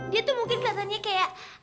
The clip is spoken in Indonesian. dia tuh mungkin kelihatannya kayak